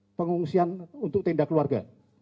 dan tindal pengungsian untuk tindak keluarga